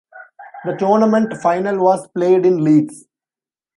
The tournament final was played in Leeds.